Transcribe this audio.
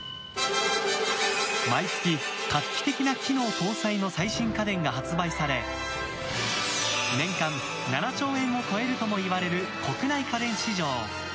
毎月、画期的な機能搭載の最新家電が発売され年間７兆円を超えるともいわれる国内家電市場。